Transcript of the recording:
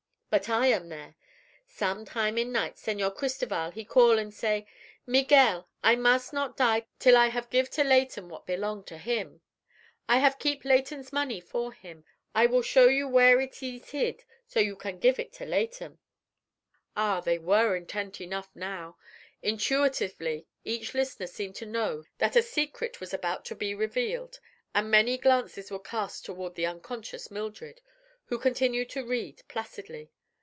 "But I am there. Some time in night Señor Cristoval he call an' say: 'Miguel, I mus' not die till I have give to Leighton what belong to him. I have keep Leighton's money for him. I will show you where it ees hid, so you can give it to Leighton.'" Ah, they were intent enough now. Intuitively each listener seemed to know that a secret was about to be revealed and many glances were cast toward the unconscious Mildred, who continued to read placidly.